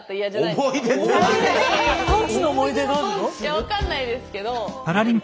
いや分かんないですけど。